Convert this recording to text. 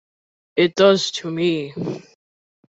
It does to me.